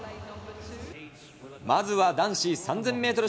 まずは男子３０００メートル